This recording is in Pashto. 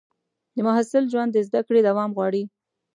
د محصل ژوند د زده کړې دوام غواړي.